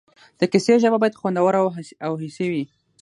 د کیسې ژبه باید خوندوره او حسي وي.